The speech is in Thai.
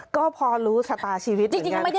ก็พอรู้สตาชีวิตเหมือนกัน